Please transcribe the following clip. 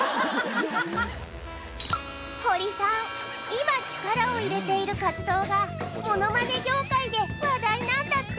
今力を入れている活動がものまね業界で話題なんだって。